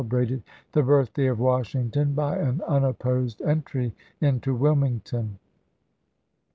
brated the birthday of Washington by an unopposed Site0flortd' enfry in^° Wilmington.